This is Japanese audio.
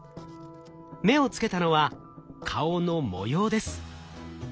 目をつけたのは顔の模様です。